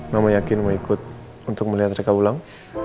mama yakin mau ikut untuk melihat mereka ulang